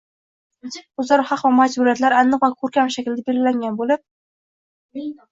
o‘zaro haq va majburiyatlar aniq va ko‘rkam shaklda belgilangan bo‘lib